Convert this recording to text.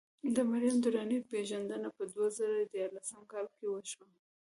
د مریم درانۍ پېژندنه په دوه زره ديارلسم کال کې وشوه.